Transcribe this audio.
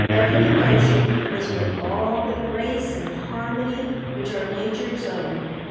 Every motion was with all the grace and harmony which are nature's own.